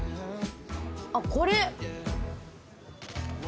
あっこれ。